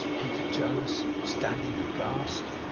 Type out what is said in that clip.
repeated Jonas, standing aghast.